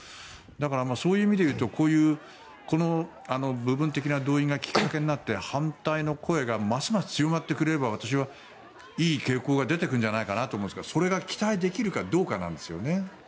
だから、そういう意味でいうとこの部分的な動員がきっかけになって反対の声がますます強まってくれれば私はいい傾向が出てくるのではないかと思うんですがそれが期待できるかどうかなんですよね。